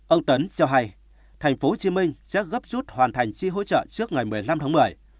ông tấn cho hay tp hcm sẽ gấp rút hoàn thành chi hỗ trợ trước ngày một mươi năm tháng một mươi